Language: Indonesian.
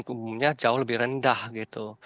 umumnya jauh lebih rendah gitu